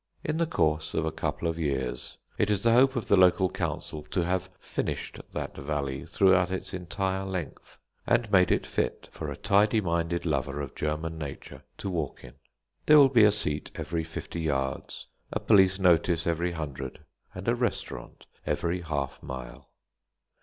In the course of a couple of years it is the hope of the local council to have "finished" that valley throughout its entire length, and made it fit for a tidy minded lover of German nature to walk in. There will be a seat every fifty yards, a police notice every hundred, and a restaurant every half mile.